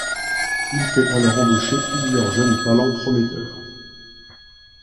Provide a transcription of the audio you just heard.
Il fait alors embaucher plusieurs jeunes talents prometteurs.